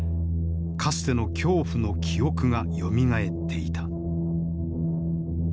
かつての恐怖の記憶がよみがえっていた。